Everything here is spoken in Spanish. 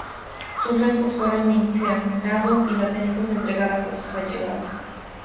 Sus restos fueron incinerados y las cenizas entregadas a sus allegados.